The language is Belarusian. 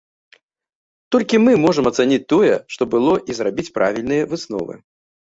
Толькі мы можам ацаніць тое, што было і зрабіць правільныя высновы.